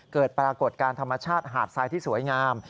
เกิดปรากฏการณ์ธรรมชาติหาดทรายที่สวยงาม